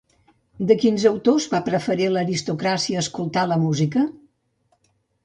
De quins autors va preferir l'aristocràcia escoltar la música?